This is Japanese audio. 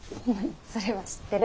それは知ってる。